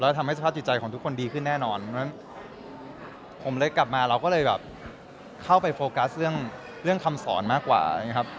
และทำให้สภาพจิตใจของทุกคนดีขึ้นแน่นอนผมกลับมาเราก็เลยเข้าไปโฟกัสเรื่องคำสอนมากกว่า